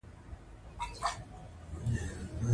چي زه نه یم په جهان کي به تور تم وي